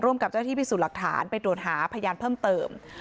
กับเจ้าที่พิสูจน์หลักฐานไปตรวจหาพยานเพิ่มเติม